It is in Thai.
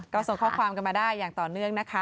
ก็ส่งข้อความกันมาได้อย่างต่อเนื่องนะคะ